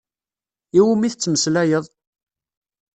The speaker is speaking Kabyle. Iwumi tettmeslayeḍ?